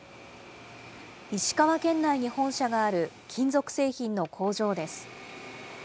石川県内に本社がある金属製品の工場です。